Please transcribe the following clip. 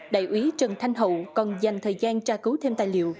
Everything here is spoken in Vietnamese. đại úy trần thanh hậu còn dành thời gian tra cứu thêm tài liệu